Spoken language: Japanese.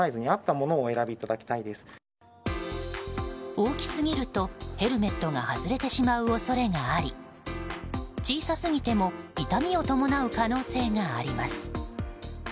大きすぎるとヘルメットが外れてしまう恐れがあり小さすぎても痛みを伴う可能性があります。